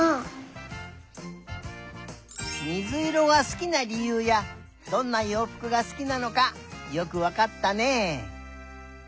みずいろがすきなりゆうやどんなようふくがすきなのかよくわかったね。